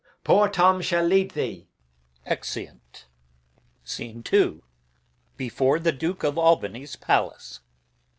Poor Tom shall lead thee. Exeunt. Scene II. Before the Duke of Albany's Palace.